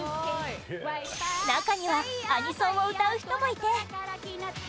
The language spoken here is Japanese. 中にはアニソンを歌う人もいて